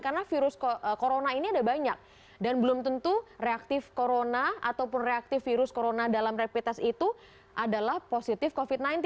karena virus corona ini ada banyak dan belum tentu reaktif corona ataupun reaktif virus corona dalam rapid test itu adalah positif covid sembilan belas